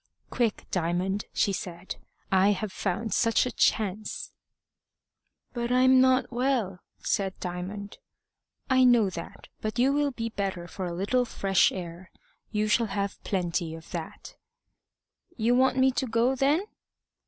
"Quick, Diamond!" she said. "I have found such a chance!" "But I'm not well," said Diamond. "I know that, but you will be better for a little fresh air. You shall have plenty of that." "You want me to go, then?"